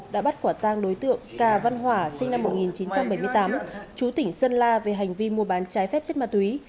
đã bắt quả tang đối tượng cà văn hỏa sinh năm một nghìn chín trăm bảy mươi tám chú tỉnh sơn la về hành vi mua bán trái phép chất ma túy